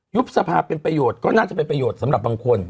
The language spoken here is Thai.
สภาเป็นประโยชน์ก็น่าจะเป็นประโยชน์สำหรับบางคน